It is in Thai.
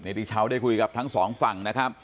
ที่เช้าได้คุยกับทั้งสองฝั่งนะครับ